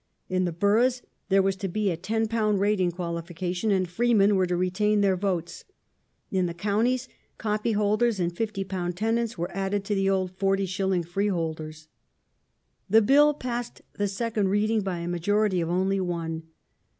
In the boroughs there was to be a £10 rating qualification, and freemen were to retain their votes. In the counties, copyholders and £50 tenants were added to the old 40s. freeholders. The Bill passed the second reading by a majority of only one.